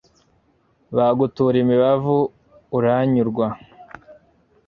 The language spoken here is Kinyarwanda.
bagutura imibavu, uranyurwa